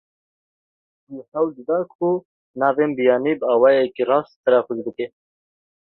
Wî hewl dida ku navên biyanî bi awayekî rast telafûz bike.